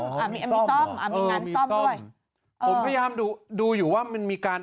มีซ่อมอ่ามีงานซ่อมด้วยเออมีซ่อมผมพยายามดูดูอยู่ว่ามันมีการ